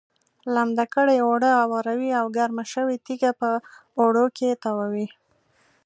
لمده کړې اوړه اواروي او ګرمه شوې تیږه په اوړو کې تاووي.